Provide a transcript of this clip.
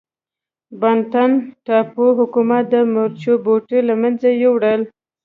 بانتن ټاپو حکومت د مرچو بوټي له منځه یووړل.